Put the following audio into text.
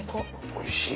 おいしい。